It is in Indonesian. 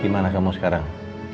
gimana kamu sekarang